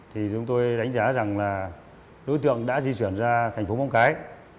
thì chúng tôi đánh giá rằng là đối tượng đã di chuyển ra thành phố móng cái